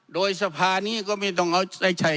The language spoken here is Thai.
โดยสภานี้ก็ไม่ต้องเอาใจใจ